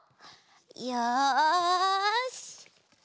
よし！